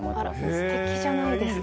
すてきじゃないですか。